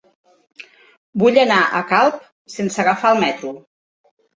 Vull anar a Calp sense agafar el metro.